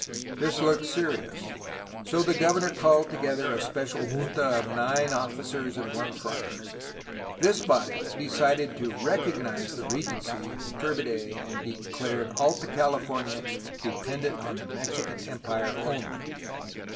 This looked serious. So the governor called together a special junta of nine officers and one friar. This body decided to recognize the regency of Iturbide, and de clared Alta California dependent on the Mexican Empire only.